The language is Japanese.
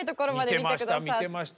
見てました